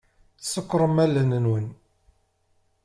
Ṣekkṛem allen-nwen.